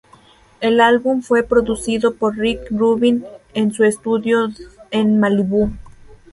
El álbum fue producido por Rick Rubin en su estudio en Malibú.